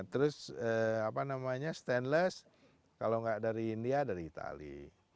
terus apa namanya stainless kalau nggak dari india dari itali